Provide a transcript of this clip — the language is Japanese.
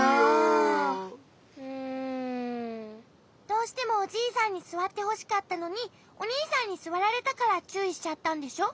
どうしてもおじいさんにすわってほしかったのにおにいさんにすわられたからちゅういしちゃったんでしょ？